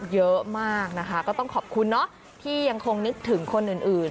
เยอะมากนะคะก็ต้องขอบคุณเนาะที่ยังคงนึกถึงคนอื่น